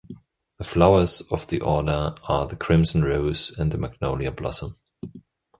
The flowers of the Order are the crimson rose and the magnolia blossom.